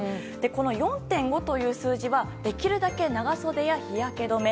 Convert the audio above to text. この４．５という数字はできるだけ長袖や日焼け止め